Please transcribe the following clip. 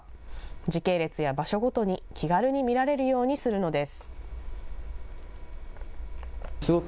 時系列や場所ごとに気軽に見られるようにするのです。